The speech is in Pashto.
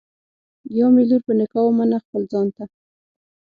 یا مي لور په نکاح ومنه خپل ځان ته